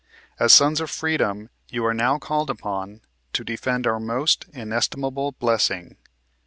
" As sons of freedom, you are now called upon to defend our most inestimable blessing.